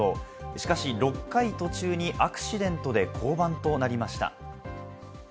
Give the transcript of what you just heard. しかし６回途中にアクシデントで降板となりました。